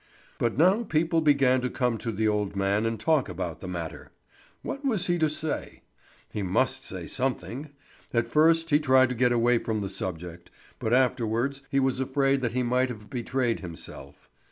But now people began to come to the old man and talk about the matter. What was he to say? He must say something. At first he tried to get away from the subject, but afterwards he was afraid that he might have betrayed himself.